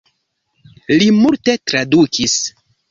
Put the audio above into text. Li multe tradukis.